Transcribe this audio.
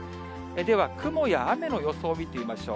では、雲や雨の予想を見てみましょう。